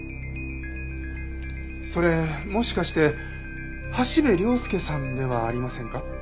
それもしかして橋部亮介さんではありませんか？